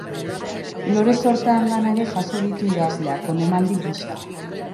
Lore sorta andana erejaso ditu idazleak, onemaldi gisa.